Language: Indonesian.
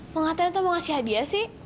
pengataian tuh mau ngasih hadiah sih